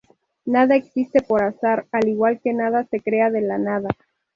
Nada existe por azar al igual que nada se crea de la nada.